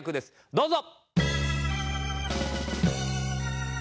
どうぞ！